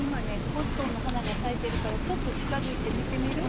コットンの花が咲いてるからちょっと近づいて見てみる？